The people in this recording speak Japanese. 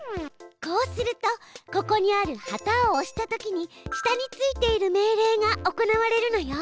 こうするとここにある旗を押したときに下についている命令が行われるのよ。